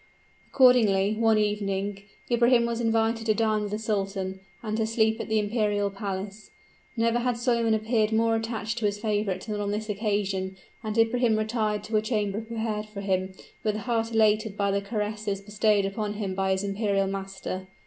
Accordingly, one evening, Ibrahim was invited to dine with the sultan, and to sleep at the imperial palace. Never had Solyman appeared more attached to his favorite than on this occasion and Ibrahim retired to a chamber prepared for him, with a heart elated by the caresses bestowed upon him by his imperial master.